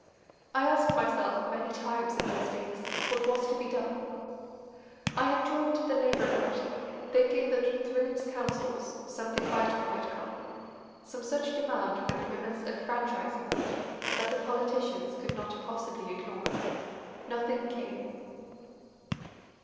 I asked myself many times in those days what was to be done. I had joined the Labour Party, thinking that through its councils something vital might come, some such demand for the women's enfranchisement that the politicians could not possibly ignore. Nothing came.